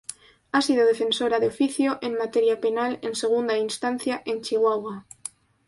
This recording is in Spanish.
Ha sido defensora de oficio en materia penal en segunda instancia en Chihuahua.